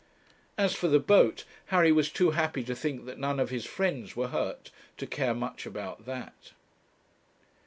As for the boat, Harry was too happy to think that none of his friends were hurt to care much about that.